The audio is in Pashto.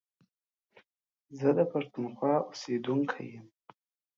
زه دا پښتونخوا اوسيدونکی يم.